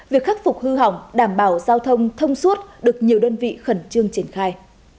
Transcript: việc khắc phục hư hỏng đảm bảo giao thông thông suốt được nhiều đơn vị khẩn trương triển khai